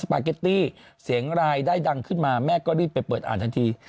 ปาร์เก็ตตี้เสียงรายได้ดังขึ้นมาแม่ก็รีบไปเปิดอ่านทันที